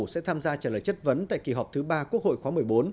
sẽ tham gia trả lời chất vấn tại kỳ họp thứ ba quốc hội khóa một mươi bốn